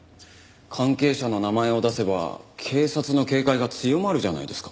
関係者の名前を出せば警察の警戒が強まるじゃないですか。